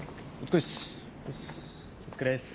お疲れっす。